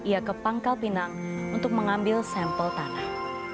ia ke pangkal pinang untuk mengambil sampel tanah